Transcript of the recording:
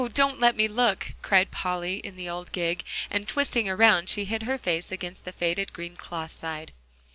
don't let me look," cried Polly in the old gig, and twisting around, she hid her face against the faded green cloth side.